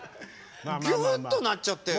ぎゅっとなっちゃって。